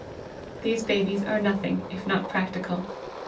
These babies are nothing if not practical.